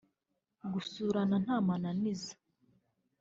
gusurana nta mananiza